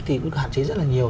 thì cũng hạn chế rất là nhiều